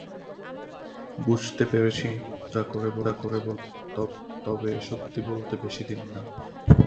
বুঝতে পেরেছি মজা করে বলেছেন, তবে সত্যি বলতে, বেশিদিন না।